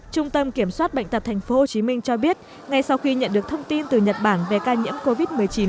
trung tâm kiểm soát bệnh tật tp hcm cho biết ngay sau khi nhận được thông tin từ nhật bản về ca nhiễm covid một mươi chín